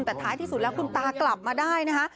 แต่ท้ายที่สุดแล้วคุณตากลับมาได้นะคะ